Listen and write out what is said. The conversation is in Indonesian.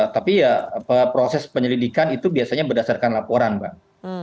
tapi ya proses penyelidikan itu biasanya berdasarkan laporan mbak